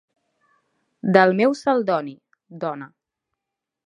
Del meu Celdoni... dona.